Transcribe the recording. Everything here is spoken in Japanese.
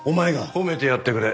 褒めてやってくれ。